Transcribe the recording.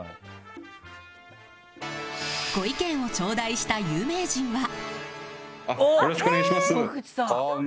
ご意見をちょうだいした有名人は。